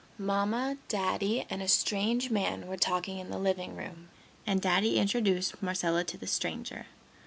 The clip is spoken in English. Mama, Daddy and a strange man were talking in the living room and Daddy introduced Marcella to the stranger.